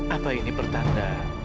apa ini pertanda